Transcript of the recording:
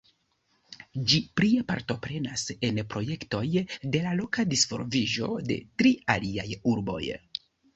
Ĝi plie partoprenas en projektoj de loka disvolviĝo de tri aliaj urboj.